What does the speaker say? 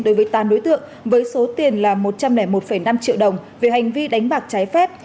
đối với tám đối tượng với số tiền là một trăm linh một năm triệu đồng về hành vi đánh bạc trái phép